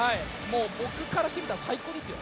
僕からしてみたら最高ですよ。